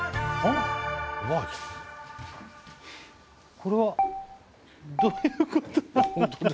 これはどういうことなんだ？